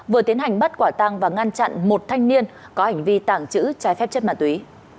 vừa tiến hành bắt quả tăng và ngăn chặn một thanh niên có hành vi tảng chữ trái phép chất mạng túy